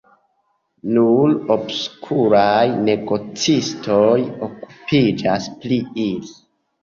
Nur obskuraj negocistoj okupiĝas pri ili.